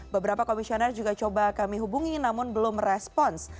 beberapa komisioner juga coba kami hubungi namun belum merespons